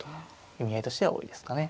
意味合いとしては多いですかね。